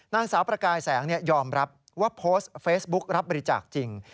นางสาวประกายแสงยอมรับว่าโพสต์เฟซบุ๊กรับบริจาคจริง